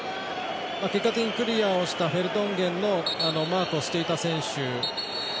結果的にクリアをしたフェルトンゲンのマークをした選手。